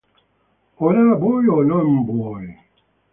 Ora, vuoi o non vuoi?